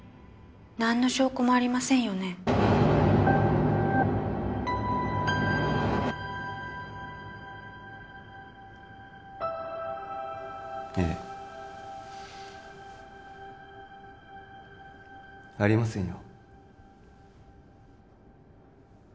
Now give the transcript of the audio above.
何の証拠もありませんよねええありませんよ